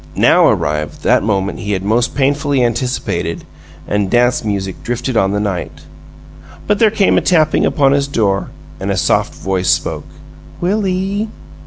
Now arrived that moment he had most painfully anticipated, and dance music drifted on the night; but there came a tapping upon his door and a soft voice spoke. "Will ee?"